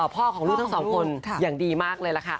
ของลูกทั้งสองคนอย่างดีมากเลยล่ะค่ะ